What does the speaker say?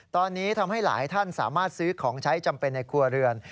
ตอนนี้ทำให้หลายท่านสามารถซื้อของใช้จำเป็นในครัวเรือน